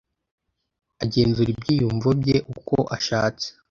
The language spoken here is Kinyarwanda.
Agenzura ibyiyumviro bye uko ashatse